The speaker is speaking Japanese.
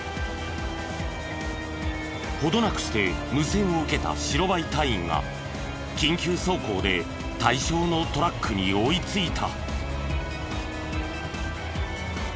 程なくして無線を受けた白バイ隊員が緊急走行で対象のトラックに追いついた。